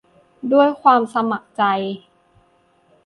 ด้วยความสมัครใจ